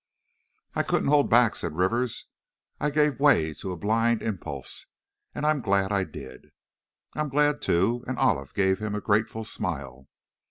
"I couldn't hold back," said Rivers, "I gave way to a blind impulse, and I'm glad I did!" "I'm glad, too," and Olive gave him a grateful smile.